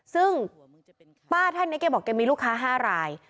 ซึ่งป้าท่านนี้แกบอกแกมีลูกค้า๕ราย